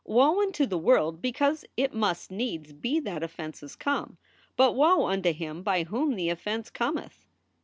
"Woe unto the world because it must needs be that offenses come, but woe unto him by whom the offense cometh."